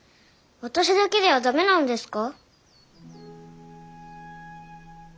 私だけでは駄目なのですか。